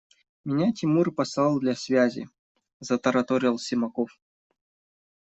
– Меня Тимур послал для связи, – затараторил Симаков.